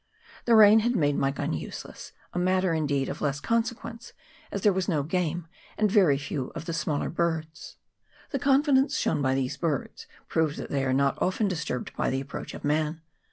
The rain had made my gun useless a matter, indeed, of less con sequence, as there was no game, and very few of the smaller birds. The confidence shown by these birds proved that they are not often disturbed by CHAP. VII.] THE SEA SHORE. 151 the approach of man.